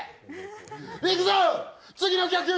いくぞ、次の曲！